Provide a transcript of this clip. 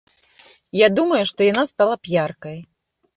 Я думаю, што яна стала б яркай.